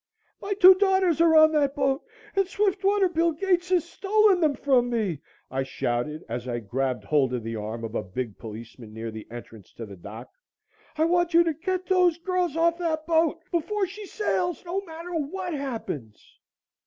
"My two daughters are on that boat and Swiftwater Bill Gates has stolen them from me!" I shouted as I grabbed hold of the arm of a big policeman near the entrance to the dock. "I want you to get those girls off that boat before she sails, no matter what happens!"